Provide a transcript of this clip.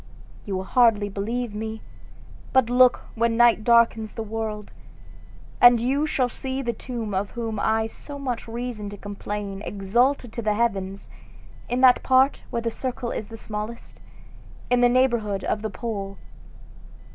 You will hardly believe me; but look when night darkens the world, and you shall see the two of whom I have so much reason to complain exalted to the heavens, in that part where the circle is the smallest, in the neighborhood of the pole.